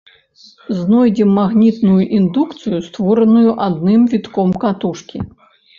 Знойдзем магнітную індукцыю, створаную адным вітком катушкі.